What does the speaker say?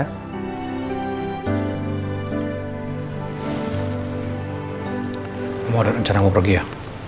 kamu ada rencana mau pergi ya